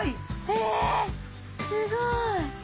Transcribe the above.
えすごい！